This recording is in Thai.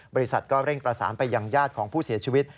บริษัทก็เร่งประสานไปยังญาติของผู้เสียชีวิต